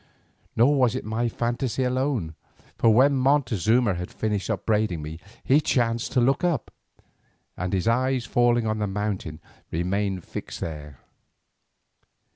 Nor was it my phantasy alone, for when Montezuma had finished upbraiding me he chanced to look up, and his eyes falling on the mountain remained fixed there.